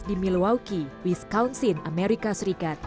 di milwaukee wisconsin amerika serikat